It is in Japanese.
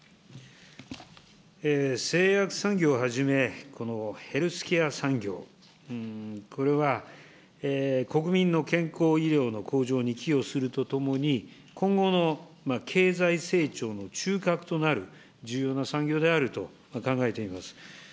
製薬産業をはじめ、このヘルスケア産業、これは、国民の健康医療の向上に寄与するとともに、今後の経済成長の中核となる重要な産業であると考えています。